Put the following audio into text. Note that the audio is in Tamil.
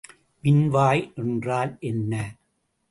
மின்வாய் என்றால் என்ன?